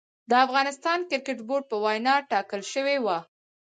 د افغانستان کريکټ بورډ په وينا ټاکل شوې وه